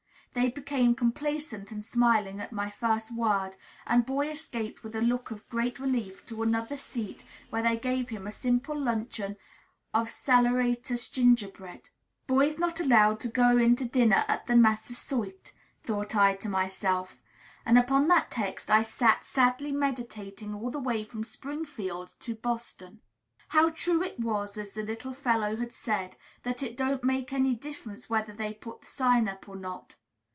They became complaisant and smiling at my first word, and Boy escaped with a look of great relief to another seat, where they gave him a simple luncheon of saleratus gingerbread. "Boys not allowed" to go in to dinner at the Massasoit, thought I to myself; and upon that text I sat sadly meditating all the way from Springfield to Boston. How true it was, as the little fellow had said, that "it don't make any difference whether they put the sign up or not!"